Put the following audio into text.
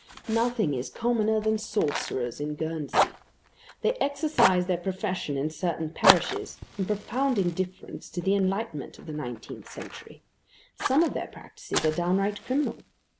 Nothing is commoner than sorcerers in Guernsey. They exercise their profession in certain parishes, in profound indifference to the enlightenment of the nineteenth century. Some of their practices are downright criminal.